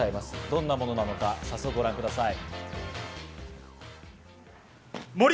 どんなものなのか早速ご覧ください。